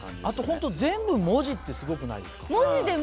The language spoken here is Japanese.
あとほんと全部文字ってすごくないですか？